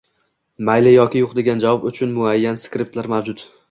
— Mayli yoki yoʻq degan javob uchun muayyan skriptlar mavjud